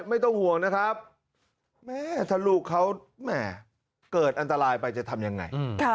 ไม่ต้องห่วงนะครับแม่ถ้าลูกเขาแม่เกิดอันตรายไปจะทำยังไง